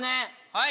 はい！